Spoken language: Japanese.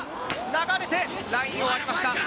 流れて、ラインを割りました。